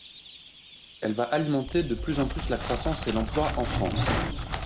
Elle va alimenter de plus en plus la croissance et l’emploi en France.